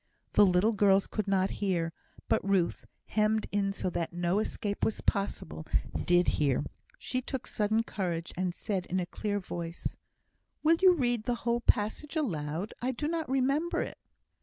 The little girls could not hear; but Ruth, hemmed in so that no escape was possible, did hear. She took sudden courage, and said, in a clear voice, "Will you read the whole passage aloud? I do not remember it."